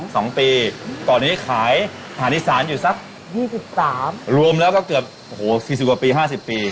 ตอนนี้ขายผ่านที่สารอยู่สักรวมแล้วก็เกือบโอ้โฮ๔๐กว่าปี๕๐ปี